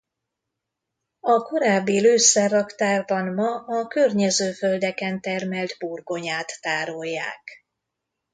A korábbi lőszerraktárban ma a környező földeken termelt burgonyát tárolják.